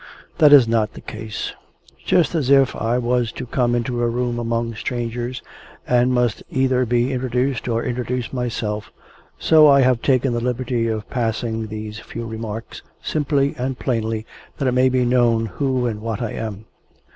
That is not the case. Just as if I was to come into a room among strangers, and must either be introduced or introduce myself, so I have taken the liberty of passing these few remarks, simply and plainly that it may be known who and what I am.